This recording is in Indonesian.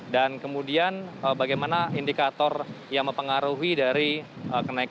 dan kemudian bagaimana indikator yang mempengaruhi dari kenaikan